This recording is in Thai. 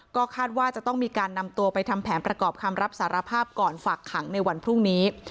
ก็คาดว่าจะต้องมีการนำตัวไปทำแผนประกอบคำรับสารภาพก่อนฝากขังในวันพรุ่งนี้